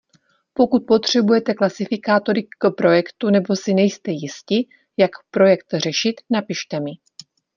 Pokud potřebujete klasifikátory k projektu nebo si nejste jisti, jak projekt řešit, napište mi.